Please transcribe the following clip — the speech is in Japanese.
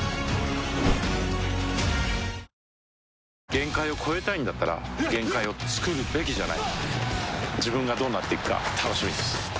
限界を越えたいんだったら限界をつくるべきじゃない自分がどうなっていくか楽しみです